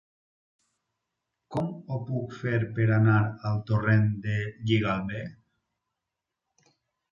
Com ho puc fer per anar al torrent de Lligalbé?